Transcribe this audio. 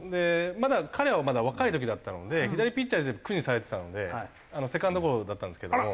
彼はまだ若い時だったので左ピッチャー苦にされていたのでセカンドゴロだったんですけども。